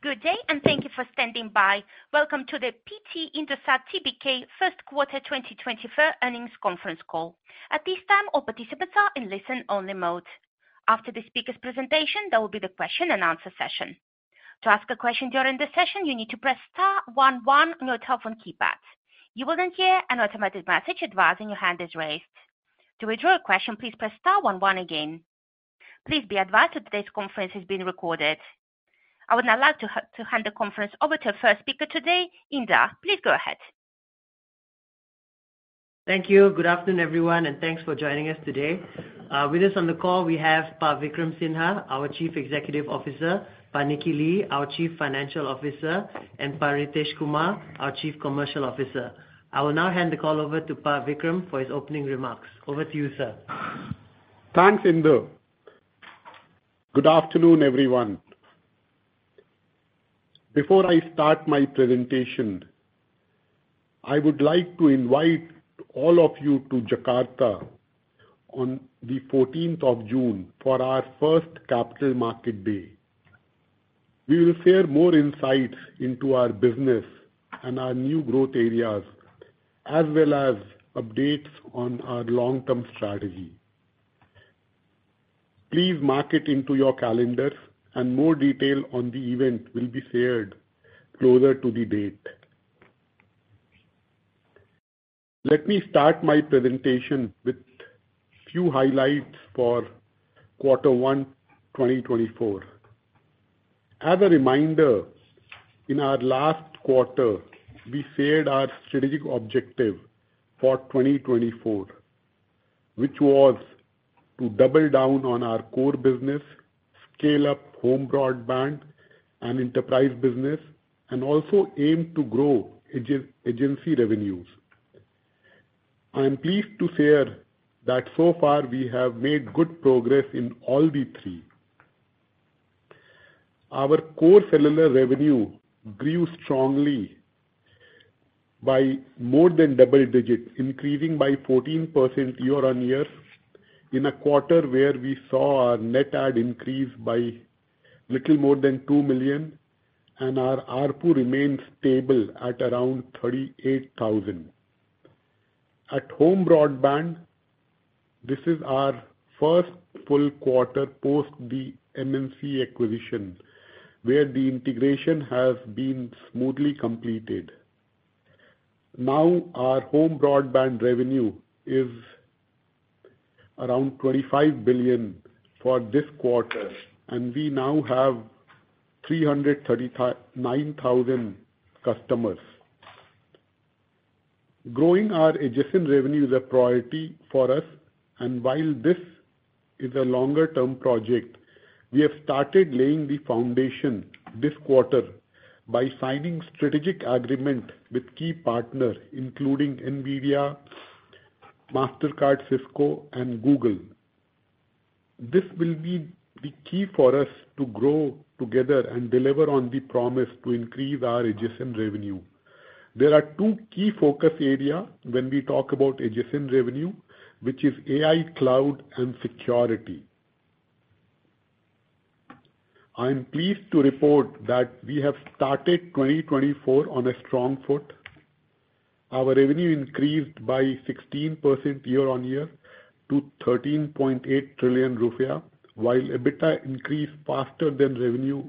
Good day, and thank you for standing by. Welcome to the PT Indosat Tbk First Quarter 2024 Earnings Conference Call. At this time, all participants are in listen-only mode. After the speaker's presentation, there will be the question-and-answer session. To ask a question during the session, you need to press star 11 on your telephone keypad. You will then hear an automated message advising your hand is raised. To withdraw a question, please press star one one again. Please be advised that today's conference is being recorded. I would now like to hand the conference over to our first speaker today. Indar, please go ahead. Thank you. Good afternoon, everyone, and thanks for joining us today. With us on the call, we have Pak Vikram Sinha, our Chief Executive Officer, Pak Nicky Lee, our Chief Financial Officer, and Pak Ritesh Kumar, our Chief Commercial Officer. I will now hand the call over to Pak Vikram for his opening remarks. Over to you, sir. Thanks, Indar. Good afternoon, everyone. Before I start my presentation, I would like to invite all of you to Jakarta on the 14th of June for our first Capital Market Day. We will share more insights into our business and our new growth areas, as well as updates on our long-term strategy. Please mark it into your calendars, and more detail on the event will be shared closer to the date. Let me start my presentation with a few highlights for Quarter 1, 2024. As a reminder, in our last quarter, we shared our strategic objective for 2024, which was to double down on our core business, scale up home broadband and enterprise business, and also aim to grow agency revenues. I am pleased to share that so far we have made good progress in all the three. Our core cellular revenue grew strongly by more than double digits, increasing by 14% year-on-year in a quarter where we saw our net add increase by a little more than 2 million, and our ARPU remained stable at around 38,000. At home broadband, this is our first full quarter post the MNC acquisition, where the integration has been smoothly completed. Now, our home broadband revenue is around 25 billion for this quarter, and we now have 339,000 customers. Growing our adjacent revenue is a priority for us, and while this is a longer-term project, we have started laying the foundation this quarter by signing strategic agreements with key partners, including NVIDIA, Mastercard, Cisco, and Google. This will be the key for us to grow together and deliver on the promise to increase our adjacent revenue. There are two key focus areas when we talk about adjacent revenue, which are AI, cloud, and security. I am pleased to report that we have started 2024 on a strong foot. Our revenue increased by 16% year-on-year to IDR 13.8 trillion, while EBITDA increased faster than revenue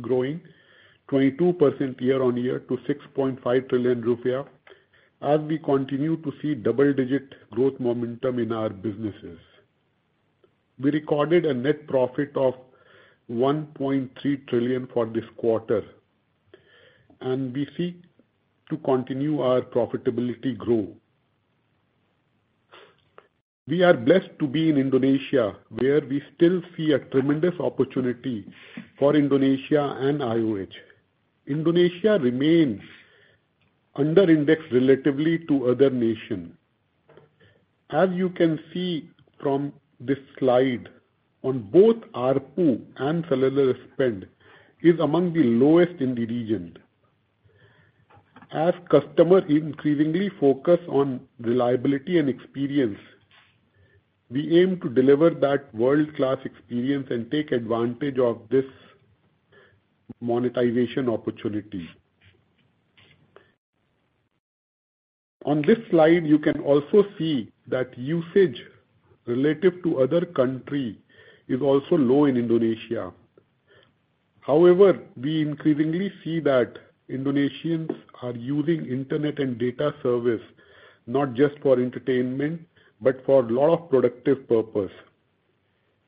growing, 22% year-on-year to IDR 6.5 trillion, as we continue to see double-digit growth momentum in our businesses. We recorded a net profit of 1.3 trillion for this quarter, and we seek to continue our profitability growth. We are blessed to be in Indonesia, where we still see a tremendous opportunity for Indonesia and IOH. Indonesia remains under-indexed relatively to other nations. As you can see from this slide, both ARPU and cellular spend are among the lowest in the region. As customers increasingly focus on reliability and experience, we aim to deliver that world-class experience and take advantage of this monetization opportunity. On this slide, you can also see that usage relative to other countries is also low in Indonesia. However, we increasingly see that Indonesians are using internet and data services not just for entertainment, but for a lot of productive purposes.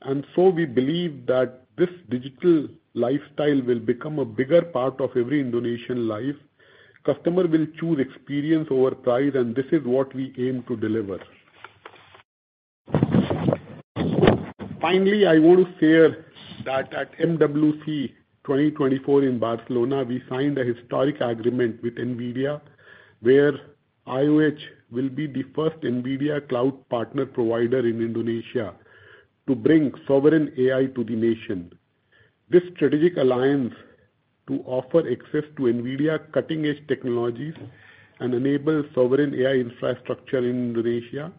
And so we believe that this digital lifestyle will become a bigger part of every Indonesian life. Customers will choose experience over price, and this is what we aim to deliver. Finally, I want to share that at MWC 2024 in Barcelona, we signed a historic agreement with NVIDIA, where IOH will be the first NVIDIA cloud partner provider in Indonesia to bring Sovereign AI to the nation. This strategic alliance offers access to NVIDIA's cutting-edge technologies and enables Sovereign AI infrastructure in Indonesia.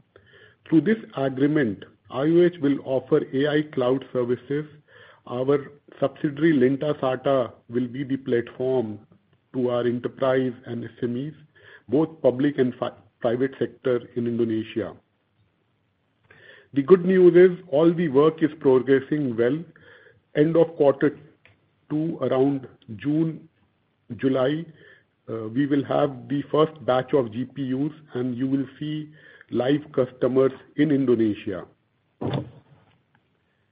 Through this agreement, IOH will offer AI cloud services. Our subsidiary Lintasarta will be the platform to our enterprise and SMEs, both public and private sector in Indonesia. The good news is all the work is progressing well. End of quarter 2, around June, July, we will have the first batch of GPUs, and you will see live customers in Indonesia.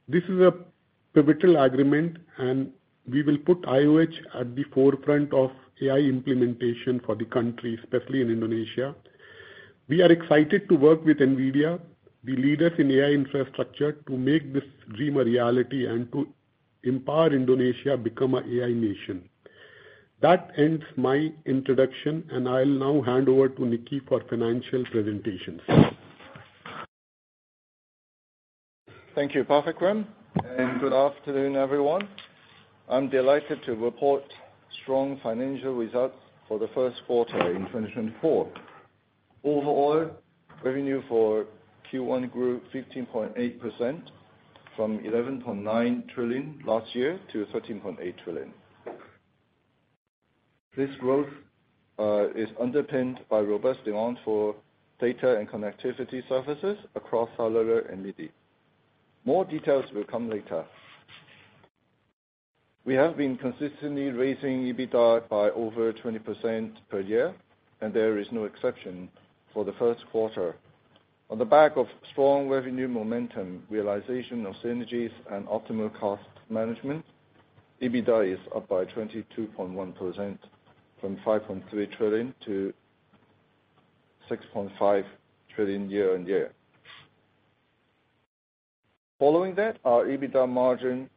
This is a pivotal agreement, and we will put IOH at the forefront of AI implementation for the country, especially in Indonesia. We are excited to work with NVIDIA, the leaders in AI infrastructure, to make this dream a reality and to empower Indonesia to become an AI nation. That ends my introduction, and I'll now hand over to Nicky for financial presentations. Thank you, Pak Vikram, and good afternoon, everyone. I'm delighted to report strong financial results for the first quarter in 2024. Overall, revenue for Q1 grew 15.8% from 11.9 trillion last year to 13.8 trillion. This growth is underpinned by robust demand for data and connectivity services across cellular and MIDI. More details will come later. We have been consistently raising EBITDA by over 20% per year, and there is no exception for the first quarter. On the back of strong revenue momentum, realization of synergies, and optimal cost management, EBITDA is up by 22.1% from 5.3 trillion to 6.5 trillion year-on-year. Following that, our EBITDA margin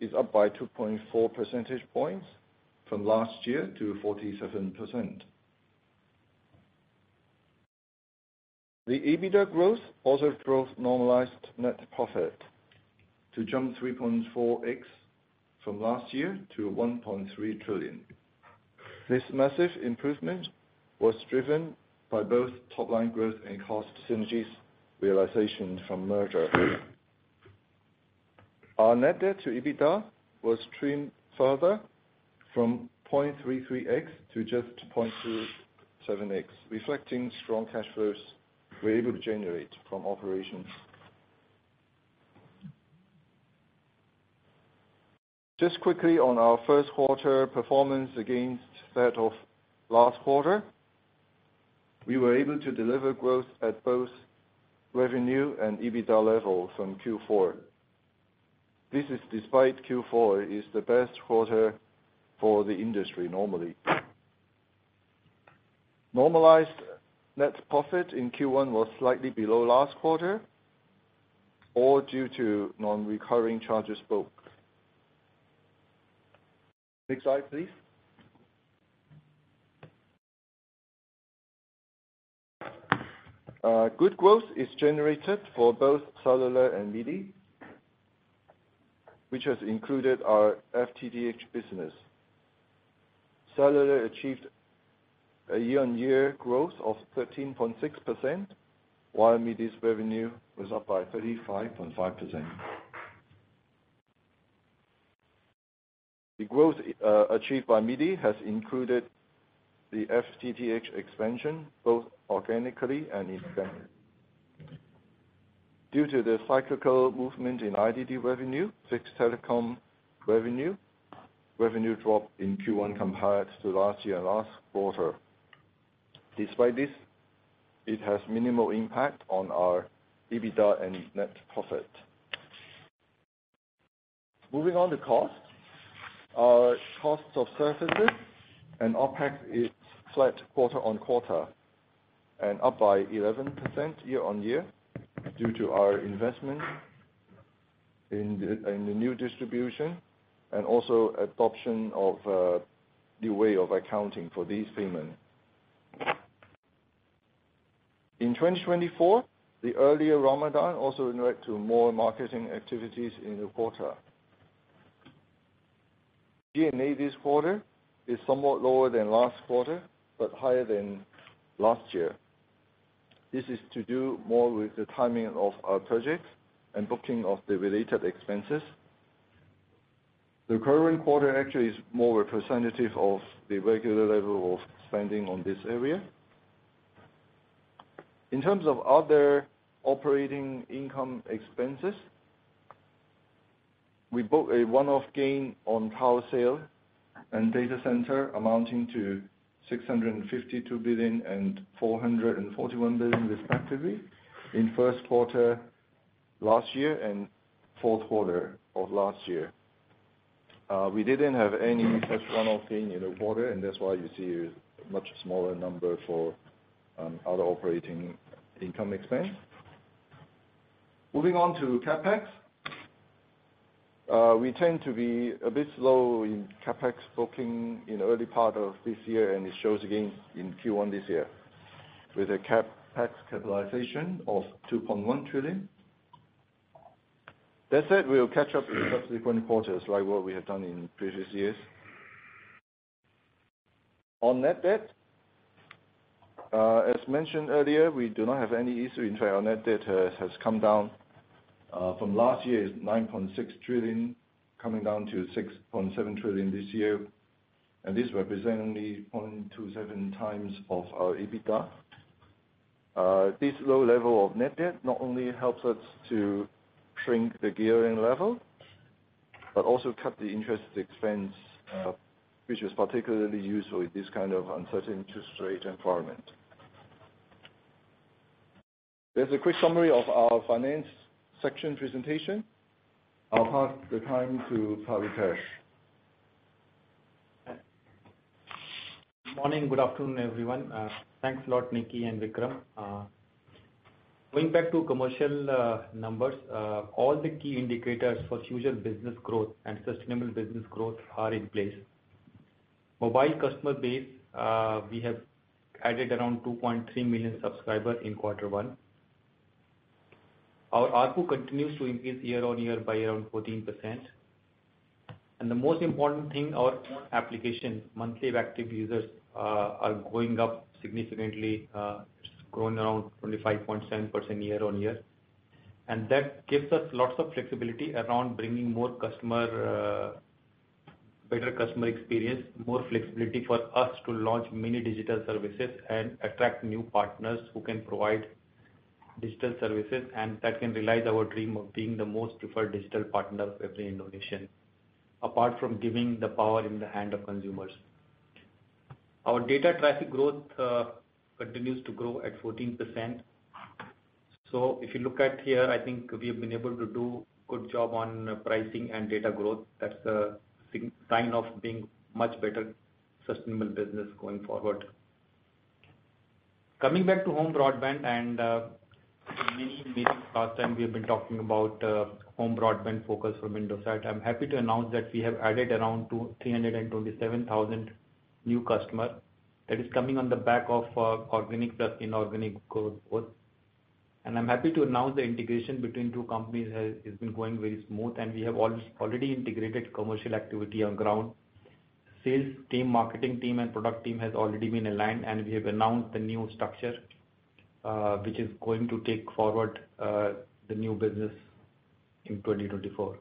is up by 2.4 percentage points from last year to 47%. The EBITDA growth also drove normalized net profit to jump 3.4x from last year to 1.3 trillion. This massive improvement was driven by both top-line growth and cost synergies realization from merger. Our net debt to EBITDA was trimmed further from 0.33x to just 0.27x, reflecting strong cash flows we're able to generate from operations. Just quickly on our first quarter performance against that of last quarter, we were able to deliver growth at both revenue and EBITDA levels from Q4. This is despite Q4 is the best quarter for the industry normally. Normalized net profit in Q1 was slightly below last quarter due to non-recurring charges booked. Next slide, please. Good growth is generated for both cellular and MIDI, which has included our FTTH business. Cellular achieved a year-on-year growth of 13.6%, while MIDI's revenue was up by 35.5%. The growth achieved by MIDI has included the FTTH expansion, both organically and incentives. Due to the cyclical movement in IDD revenue, fixed telecom revenue, revenue dropped in Q1 compared to last year and last quarter. Despite this, it has minimal impact on our EBITDA and net profit. Moving on to costs, our costs of services and OpEx are flat quarter-on-quarter and up by 11% year-on-year due to our investment in the new distribution and also adoption of a new way of accounting for these payments. In 2024, the earlier Ramadan also led to more marketing activities in the quarter. G&A this quarter is somewhat lower than last quarter but higher than last year. This is to do more with the timing of our projects and booking of the related expenses. The current quarter actually is more representative of the regular level of spending on this area. In terms of other operating income expenses, we booked a one-off gain on tower sale and data center amounting to 652 billion and 441 billion, respectively, in first quarter last year and fourth quarter of last year. We didn't have any such one-off gain in the quarter, and that's why you see a much smaller number for other operating income expenses. Moving on to CapEx, we tend to be a bit slow in CapEx booking in the early part of this year, and it shows again in Q1 this year with a CapEx capitalization of 2.1 trillion. That said, we'll catch up in subsequent quarters like what we have done in previous years. On net debt, as mentioned earlier, we do not have any issue. In fact, our net debt has come down. From last year, it's 9.6 trillion, coming down to 6.7 trillion this year, and this represents only 0.27x of our EBITDA. This low level of net debt not only helps us to shrink the gearing level but also cut the interest expense, which is particularly useful in this kind of uncertain interest rate environment. There's a quick summary of our finance section presentation. I'll pass the time to Pak Vikram. Good morning. Good afternoon, everyone. Thanks a lot, Nicky and Vikram. Going back to commercial numbers, all the key indicators for future business growth and sustainable business growth are in place. Mobile customer base, we have added around 2.3 million subscribers in quarter one. Our RPU continues to increase year-over-year by around 14%. And the most important thing, our application monthly active users are going up significantly. It's grown around 25.7% year-over-year. And that gives us lots of flexibility around bringing better customer experience, more flexibility for us to launch many digital services and attract new partners who can provide digital services, and that can realize our dream of being the most preferred digital partner for every Indonesian, apart from giving the power in the hand of consumers. Our data traffic growth continues to grow at 14%. So if you look at here, I think we have been able to do a good job on pricing and data growth. That's a sign of being a much better sustainable business going forward. Coming back to home broadband, and in many meetings last time, we have been talking about home broadband focus from Indosat. I'm happy to announce that we have added around 327,000 new customers. That is coming on the back of organic plus inorganic growth both. I'm happy to announce the integration between two companies has been going very smooth, and we have already integrated commercial activity on ground. The sales, marketing team, and product team have already been aligned, and we have announced the new structure, which is going to take forward the new business in 2024.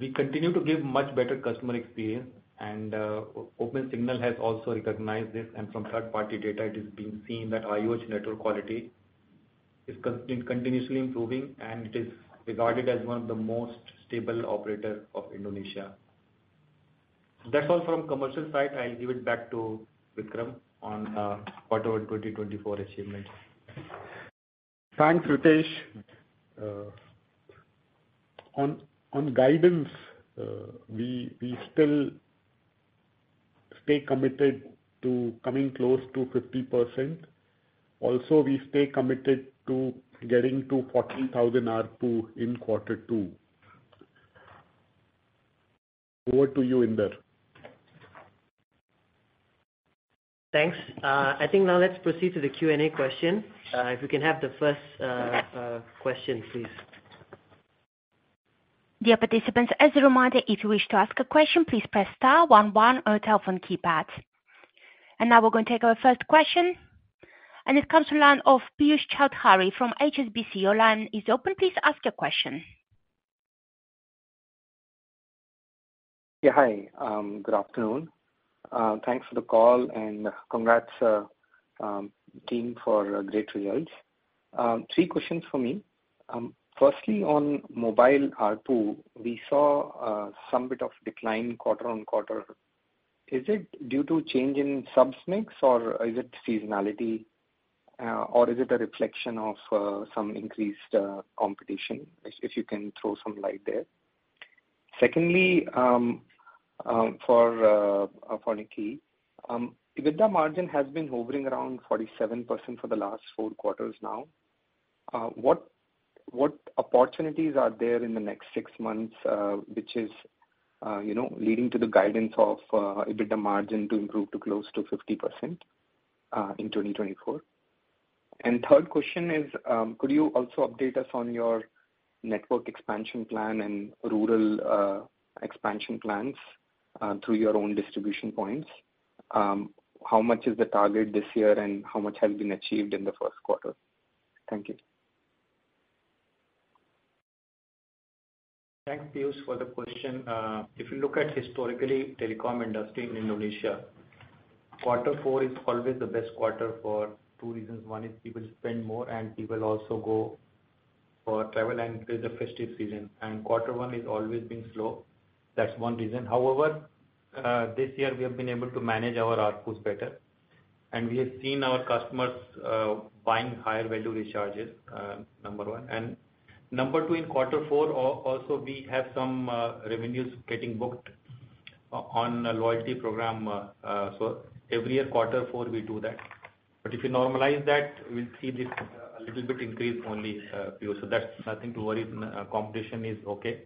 We continue to give a much better customer experience, and OpenSignal has also recognized this. From third-party data, it is being seen that IOH network quality is continuously improving, and it is regarded as one of the most stable operators of Indonesia. That's all from commercial side. I'll give it back to Vikram on quarter 2024 achievements. Thanks, Ritesh. On guidance, we still stay committed to coming close to 50%. Also, we stay committed to getting to 14,000 RPU in quarter 2. Over to you, Indar. Thanks. I think now let's proceed to the Q&A question. If you can have the first question, please. Dear participants, as a reminder, if you wish to ask a question, please press star, 11, or telephone keypad. Now we're going to take our first question. It comes from the line of Piyush Chowdhary from HSBC. Your line is open. Please ask your question. Yeah, hi. Good afternoon. Thanks for the call, and congrats, team, for great results. Three questions for me. Firstly, on mobile RPU, we saw some bit of decline quarter-on-quarter. Is it due to change in subs mix, or is it seasonality, or is it a reflection of some increased competition, if you can throw some light there? Secondly, for Nicky, EBITDA margin has been hovering around 47% for the last four quarters now. What opportunities are there in the next six months, which is leading to the guidance of EBITDA margin to improve to close to 50% in 2024? Third question is, could you also update us on your network expansion plan and rural expansion plans through your own distribution points? How much is the target this year, and how much has been achieved in the first quarter? Thank you. Thanks, Piyush, for the question. If you look at historically, the telecom industry in Indonesia, quarter 4 is always the best quarter for two reasons. One is people spend more, and people also go for travel and it is a festive season. Quarter 1 is always being slow. That's one reason. However, this year, we have been able to manage our RPUs better, and we have seen our customers buying higher-value recharges, number one. Number two, in quarter 4, also, we have some revenues getting booked on a loyalty program. So every year, quarter 4, we do that. But if you normalize that, we'll see this a little bit increase only, Piyush. So there's nothing to worry. Competition is okay.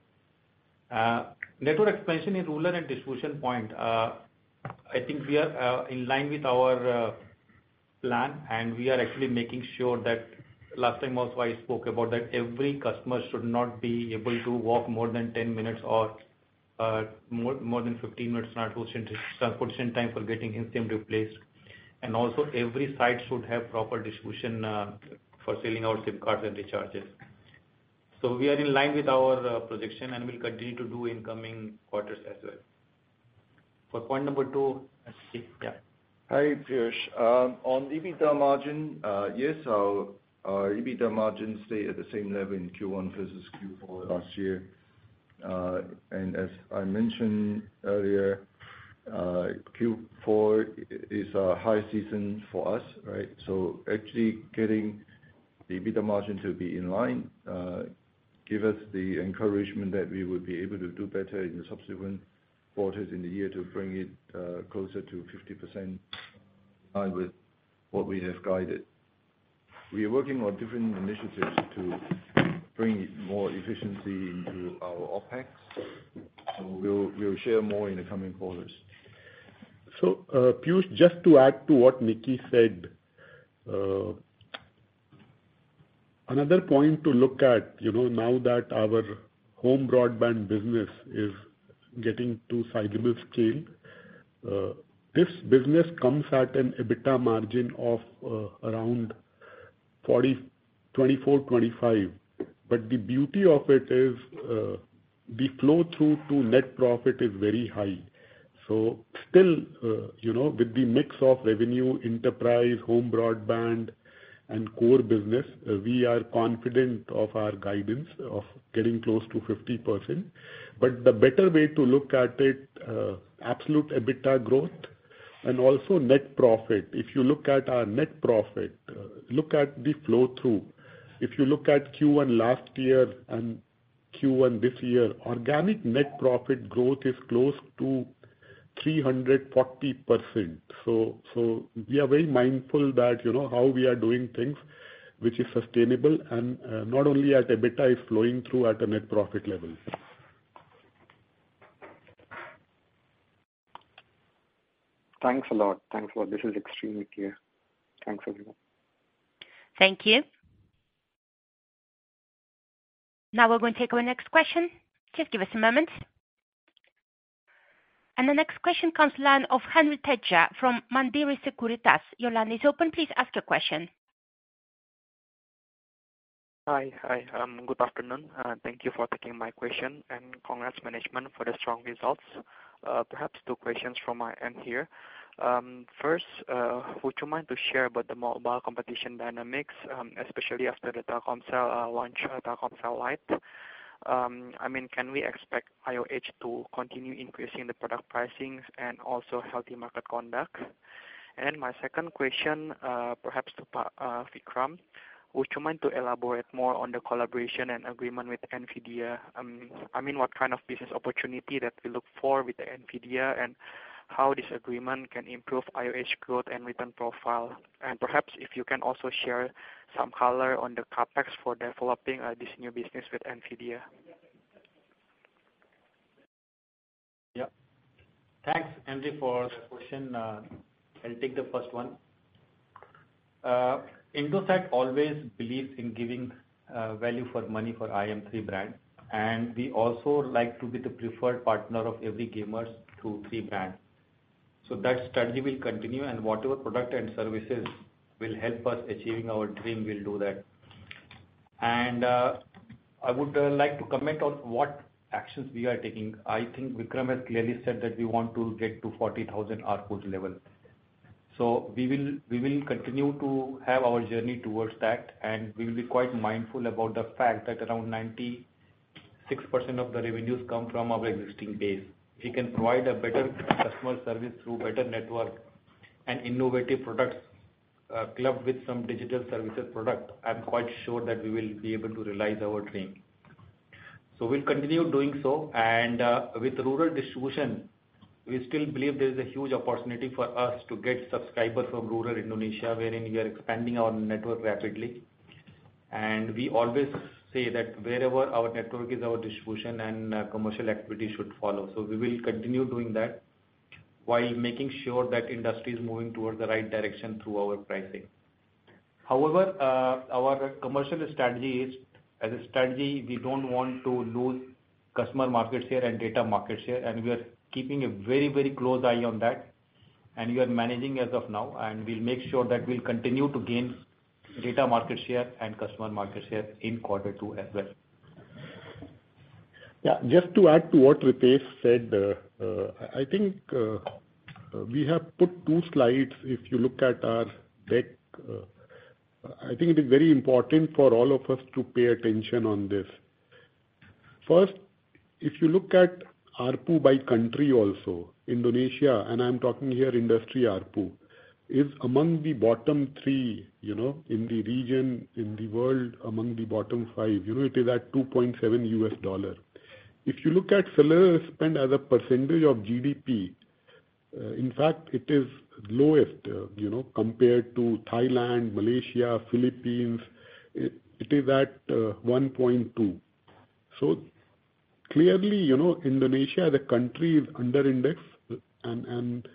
Network expansion in rural and distribution point, I think we are in line with our plan, and we are actually making sure that last time also, I spoke about that every customer should not be able to walk more than 10 minutes or more than 15 minutes transportation time for getting a SIM replaced. And also, every site should have proper distribution for selling out SIM cards and recharges. So we are in line with our projection, and we'll continue to do in coming quarters as well. For point number 2, let's see. Yeah. Hi, Piyush. On EBITDA margin, yes, our EBITDA margin stayed at the same level in Q1 versus Q4 last year. And as I mentioned earlier, Q4 is a high season for us, right? So actually getting the EBITDA margin to be in line gives us the encouragement that we would be able to do better in the subsequent quarters in the year to bring it closer to 50% in line with what we have guided. We are working on different initiatives to bring more efficiency into our OpEx. So we'll share more in the coming quarters. So Piyush, just to add to what Nicky said, another point to look at now that our home broadband business is getting to sizable scale, this business comes at an EBITDA margin of around 24%-25%. But the beauty of it is the flow-through to net profit is very high. So still, with the mix of revenue, enterprise, home broadband, and core business, we are confident of our guidance of getting close to 50%. But the better way to look at it, absolute EBITDA growth, and also net profit, if you look at our net profit, look at the flow-through. If you look at Q1 last year and Q1 this year, organic net profit growth is close to 340%. So we are very mindful that how we are doing things, which is sustainable, and not only at EBITDA is flowing through at a net profit level. Thanks a lot. Thanks a lot. This is extremely clear. Thanks everyone. Thank you. Now we're going to take our next question. Just give us a moment. The next question comes to the line of Henry Tedja from Mandiri Sekuritas. Your line is open. Please ask your question. Hi. Hi. Good afternoon. Thank you for taking my question, and congrats, management, for the strong results. Perhaps two questions from my end here. First, would you mind to share about the mobile competition dynamics, especially after the Telkomsel launch, Telkomsel light? I mean, can we expect IOH to continue increasing the product pricings and also healthy market conduct? And my second question, perhaps to Vikram, would you mind to elaborate more on the collaboration and agreement with NVIDIA? I mean, what kind of business opportunity that we look for with NVIDIA, and how this agreement can improve IOH growth and return profile? And perhaps if you can also share some color on the CapEx for developing this new business with NVIDIA. Yep. Thanks, Henry, for that question. I'll take the first one. Indosat always believes in giving value for money for IM3 brand, and we also like to be the preferred partner of every gamer through 3 brand. So that strategy will continue, and whatever product and services will help us achieving our dream, we'll do that. And I would like to comment on what actions we are taking. I think Vikram has clearly said that we want to get to 40,000 RPUs level. So we will continue to have our journey towards that, and we will be quite mindful about the fact that around 96% of the revenues come from our existing base. If we can provide a better customer service through better network and innovative products clubbed with some digital services product, I'm quite sure that we will be able to realize our dream. So we'll continue doing so. With rural distribution, we still believe there is a huge opportunity for us to get subscribers from rural Indonesia, wherein we are expanding our network rapidly. We always say that wherever our network is, our distribution and commercial activity should follow. We will continue doing that while making sure that industry is moving towards the right direction through our pricing. However, our commercial strategy, as a strategy, we don't want to lose customer market share and data market share. We are keeping a very, very close eye on that, and we are managing as of now. We'll make sure that we'll continue to gain data market share and customer market share in quarter 2 as well. Yeah. Just to add to what Ritesh said, I think we have put two slides. If you look at our deck, I think it is very important for all of us to pay attention on this. First, if you look at RPU by country also, Indonesia, and I'm talking here industry RPU, is among the bottom three in the region, in the world, among the bottom five. It is at $2.7. If you look at cellular spend as a percentage of GDP, in fact, it is lowest compared to Thailand, Malaysia, Philippines. It is at 1.2%. So clearly, Indonesia, as a country, is underindex. And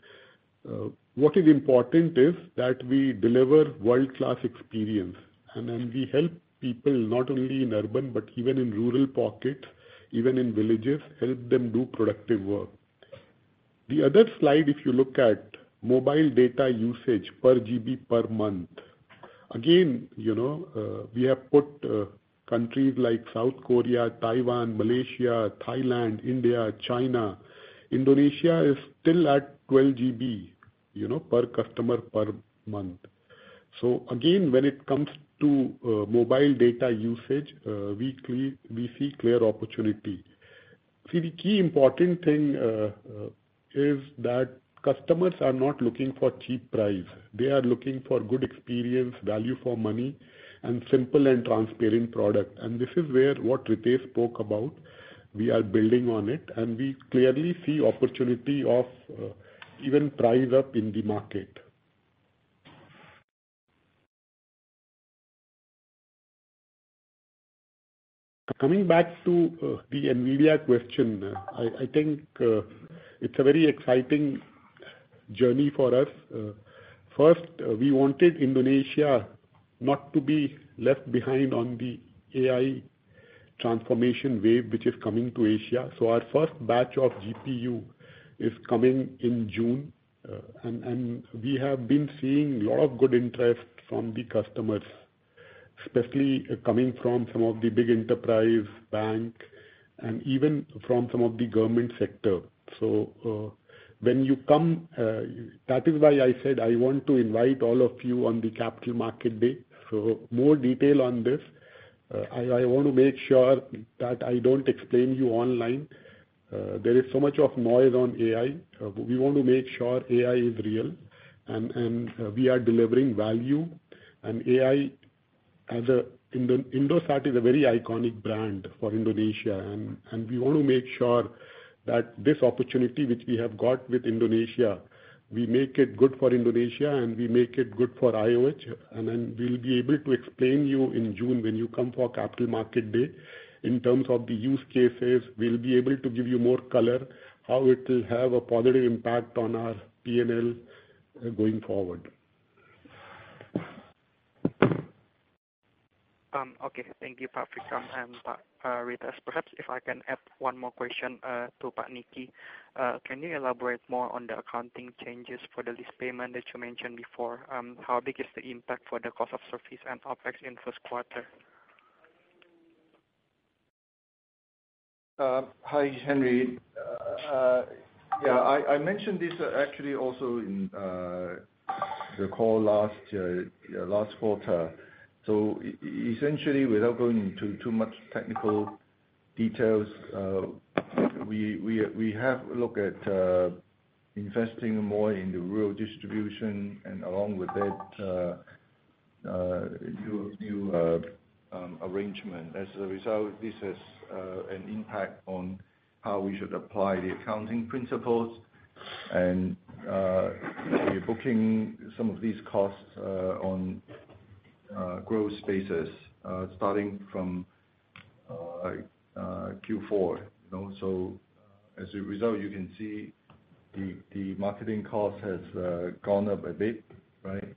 what is important is that we deliver world-class experience, and then we help people not only in urban but even in rural pockets, even in villages, help them do productive work. The other slide, if you look at mobile data usage per GB per month, again, we have put countries like South Korea, Taiwan, Malaysia, Thailand, India, China. Indonesia is still at 12 GB per customer per month. So again, when it comes to mobile data usage weekly, we see clear opportunity. See, the key important thing is that customers are not looking for cheap price. They are looking for good experience, value for money, and simple and transparent product. And this is where what Ritesh spoke about, we are building on it, and we clearly see opportunity of even price up in the market. Coming back to the NVIDIA question, I think it's a very exciting journey for us. First, we wanted Indonesia not to be left behind on the AI transformation wave, which is coming to Asia. So our first batch of GPU is coming in June, and we have been seeing a lot of good interest from the customers, especially coming from some of the big enterprise, bank, and even from some of the government sector. So when you come that is why I said I want to invite all of you on the Capital Market Day. So more detail on this. I want to make sure that I don't explain you online. There is so much noise on AI. We want to make sure AI is real, and we are delivering value. And Indosat is a very iconic brand for Indonesia, and we want to make sure that this opportunity, which we have got with Indonesia, we make it good for Indonesia, and we make it good for IOH. And then we'll be able to explain you in June when you come for Capital Market Day in terms of the use cases. We'll be able to give you more color, how it will have a positive impact on our P&L going forward. Okay. Thank you, Pak Vikram and Pak Ritesh. Perhaps if I can add one more question to Pak Nicky. Can you elaborate more on the accounting changes for the lease payment that you mentioned before? How big is the impact for the cost of service and OpEx in first quarter? Hi, Henry. Yeah. I mentioned this actually also in the call last quarter. So essentially, without going into too much technical details, we have looked at investing more in the rural distribution, and along with that, new arrangement. As a result, this has an impact on how we should apply the accounting principles and be booking some of these costs on growth spaces starting from Q4. So as a result, you can see the marketing cost has gone up a bit, right?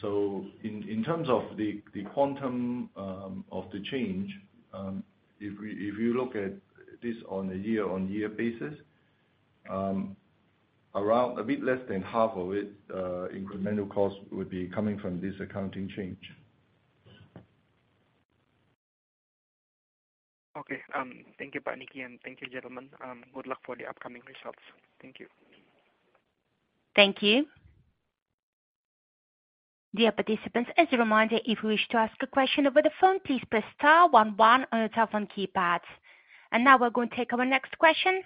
So in terms of the quantum of the change, if you look at this on a year-on-year basis, around a bit less than half of it, incremental costs would be coming from this accounting change. Okay. Thank you, Pak Nicky, and thank you, gentlemen. Good luck for the upcoming results. Thank you. Thank you. Dear participants, as a reminder, if you wish to ask a question over the phone, please press star 11 on your telephone keypad. Now we're going to take our next question.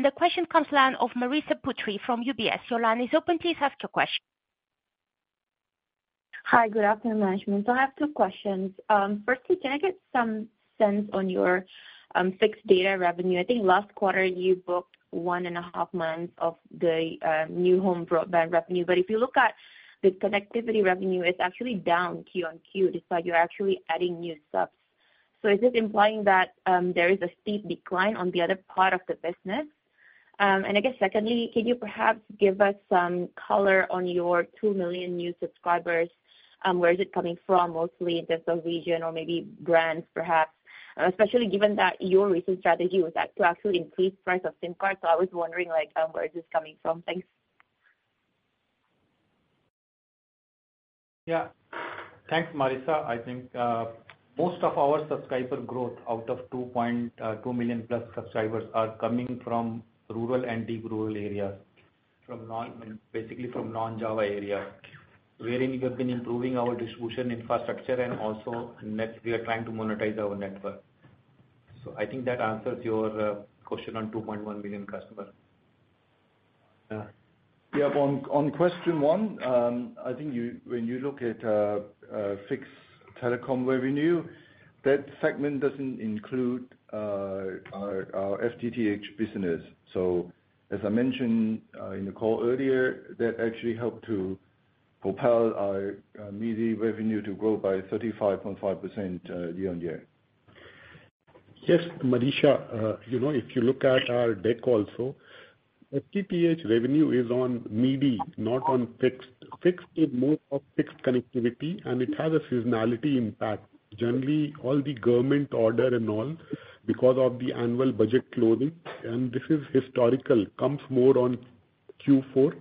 The question comes to the line of Marissa Putri from UBS. Your line is open. Please ask your question. Hi. Good afternoon, management. So I have two questions. Firstly, can I get some sense on your fixed data revenue? I think last quarter, you booked 1.5 months of the new home broadband revenue. But if you look at the connectivity revenue, it's actually down Q-on-Q despite you actually adding new subs. So is this implying that there is a steep decline on the other part of the business? And I guess, secondly, can you perhaps give us some color on your 2 million new subscribers? Where is it coming from, mostly in terms of region or maybe brands, perhaps? Especially given that your recent strategy was to actually increase the price of SIM cards. So I was wondering where is this coming from. Thanks. Yeah. Thanks, Marissa. I think most of our subscriber growth out of 2 million-plus subscribers are coming from rural and deep rural areas, basically from non-Java areas, wherein we have been improving our distribution infrastructure and also we are trying to monetize our network. So I think that answers your question on 2.1 million customer. Yeah. On question one, I think when you look at fixed telecom revenue, that segment doesn't include our FTTH business. So as I mentioned in the call earlier, that actually helped to propel our MIDI revenue to grow by 35.5% year-on-year. Yes, Marissa. If you look at our deck also, FTTH revenue is on MIDI, not on fixed. Fixed is more of fixed connectivity, and it has a seasonality impact. Generally, all the government order and all because of the annual budget closing, and this is historical, comes more on Q4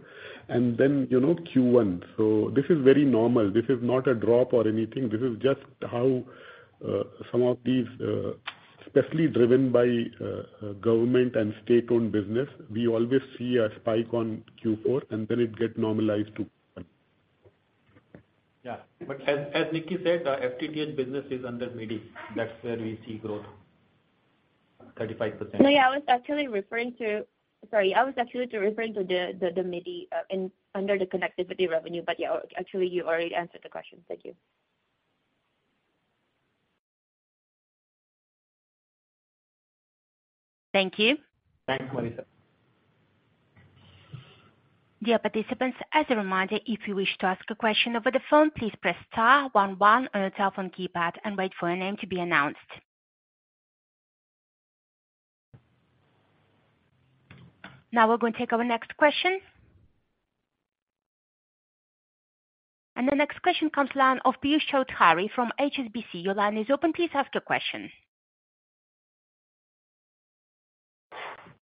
and then Q1. So this is very normal. This is not a drop or anything. This is just how some of these, especially driven by government and state-owned business, we always see a spike on Q4, and then it gets normalized to Q1. Yeah. But as Nicky said, the FTTH business is under MIDI. That's where we see growth, 35%. No, yeah. I was actually referring to sorry. I was actually referring to the MIDI under the connectivity revenue. But yeah, actually, you already answered the question. Thank you. Thank you. Thanks, Marissa. Dear participants, as a reminder, if you wish to ask a question over the phone, please press star 11 on your telephone keypad and wait for your name to be announced. Now we're going to take our next question. The next question comes to the line of Piyush Choudhary from HSBC. Your line is open. Please ask your question.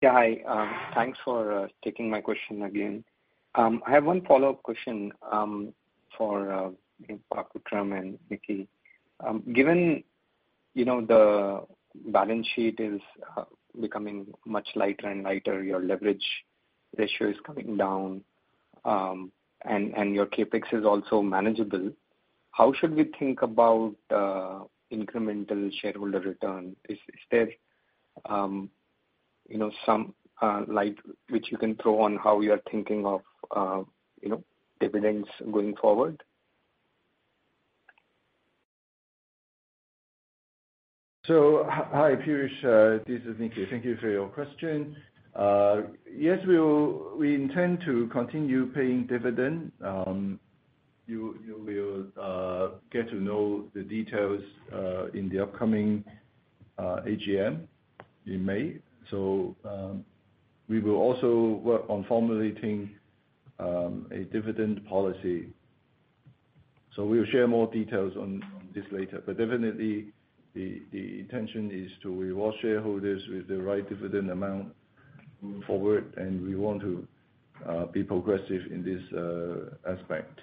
Yeah. Hi. Thanks for taking my question again. I have one follow-up question for Pak Vikram and Nicky. Given the balance sheet is becoming much lighter and lighter, your leverage ratio is coming down, and your CapEx is also manageable, how should we think about incremental shareholder return? Is there some light which you can throw on how you are thinking of dividends going forward? So hi, Piyush. This is Nicky. Thank you for your question. Yes, we intend to continue paying dividend. You will get to know the details in the upcoming AGM in May. So we will also work on formulating a dividend policy. So we'll share more details on this later. But definitely, the intention is to reward shareholders with the right dividend amount moving forward, and we want to be progressive in this aspect.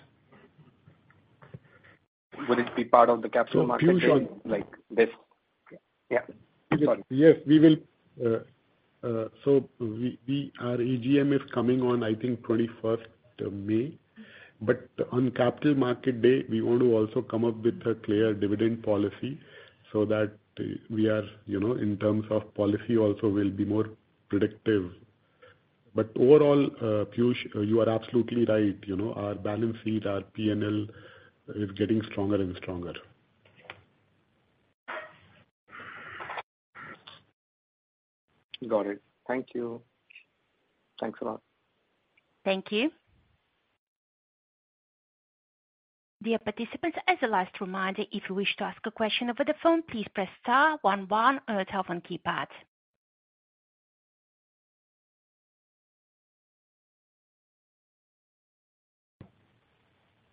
Would it be part of the capital market day? So Piyush on. Yeah. Sorry. Yes. So our AGM is coming on, I think, 21st May. But on Capital Market Day, we want to also come up with a clear dividend policy so that we are in terms of policy also will be more predictive. But overall, Piyush, you are absolutely right. Our balance sheet, our P&L is getting stronger and stronger. Got it. Thank you. Thanks a lot. Thank you. Dear participants, as a last reminder, if you wish to ask a question over the phone, please press star 11 on your telephone keypad.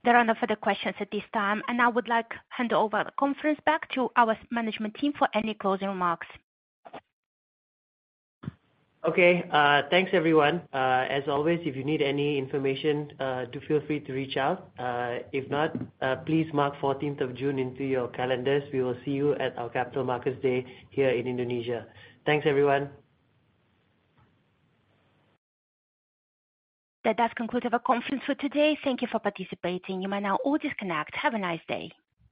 There are no further questions at this time, and I would like to hand over the conference back to our management team for any closing remarks. Okay. Thanks, everyone. As always, if you need any information, do feel free to reach out. If not, please mark 14th of June into your calendars. We will see you at our Capital Markets Day here in Indonesia. Thanks, everyone. That does conclude our conference for today. Thank you for participating. You may now all disconnect. Have a nice day.